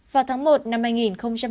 vào tháng một năm hai nghìn hai mươi ba